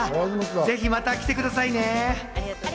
ぜひ、また来てくださいね。